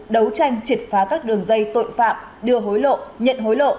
đấu tranh triệt phá các đường dây tội phạm đưa hối lộ nhận hối lộ